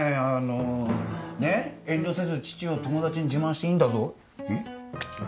あのね遠慮せず父を友達に自慢していいんだぞ。